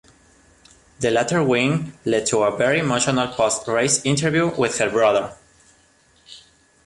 The latter win led to a very emotional post-race interview with her brother.